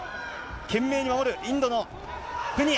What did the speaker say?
懸命に守るインドのプニア。